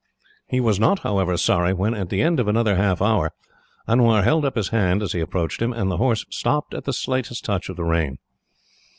He was not, however, sorry when, at the end of another half hour, Anwar held up his hand as he approached him, and the horse stopped at the slightest touch of the rein.